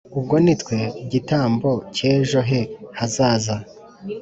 ubwo nitwe gitambo cyejo he hazaza"